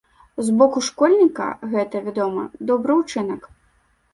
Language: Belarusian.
З боку школьніка, гэта, вядома, добры ўчынак.